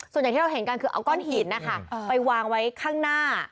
อย่างที่เราเห็นกันคือเอาก้อนหินนะคะไปวางไว้ข้างหน้า